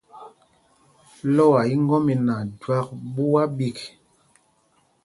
Ilɔ́a í ŋgɔ́mina jüak ɓuá ɓîk.